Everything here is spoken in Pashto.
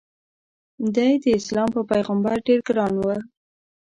د ی داسلام په پیغمبر ډېر ګران و.